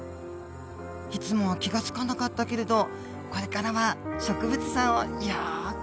いつもは気が付かなかったけれどこれからは植物さんをよく見てみないと。